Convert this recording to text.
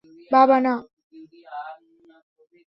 বাবা, না!